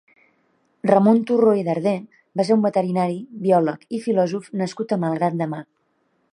Ramon Turró i Darder va ser un veterinari, biòleg i filòsof nascut a Malgrat de Mar.